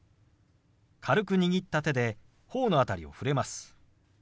軽く握った手で頬の辺りを触れます。